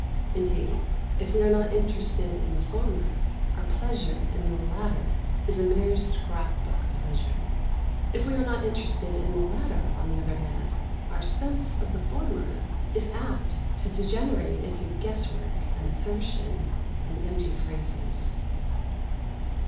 Indeed, if we are not interested in the former, our pleasure in the latter is a mere scrap book pleasure. If we are not interested in the latter, on the other hand, our sense of the former is apt to degenerate into guesswork and assertion and empty phrases.